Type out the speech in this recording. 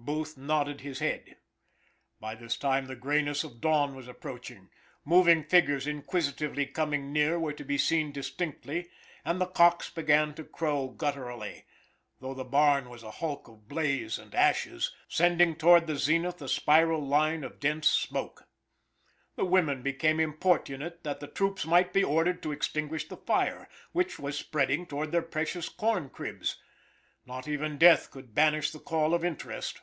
Booth nodded his head. By this time the grayness of dawn was approaching; moving figures inquisitively coming near were to be seen distinctly, and the cocks began to crow gutturally, though the barn was a hulk of blaze and ashes, sending toward the zenith a spiral line of dense smoke. The women became importunate that the troops might be ordered to extinguish the fire, which was spreading toward their precious corn cribs. Not even death could banish the call of interest.